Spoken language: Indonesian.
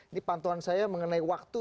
ini pantauan saya mengenai waktu